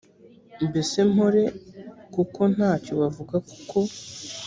mbese mpore kuko nta cyo bavuga kuko